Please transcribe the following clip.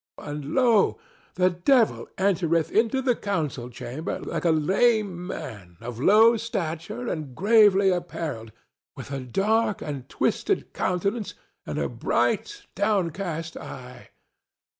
And, lo! the devil entereth into the council chamber like a lame man of low stature and gravely apparelled, with a dark and twisted countenance and a bright, downcast eye.